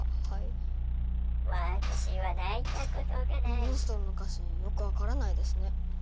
モンストロの歌詞よく分からないですね。